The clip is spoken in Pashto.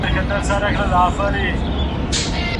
د مېرمني د خوښي وړ خواړه کوم دي؟